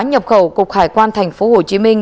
nhập khẩu cục hải quan thành phố hồ chí minh